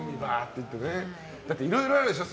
だっていろいろあるでしょ。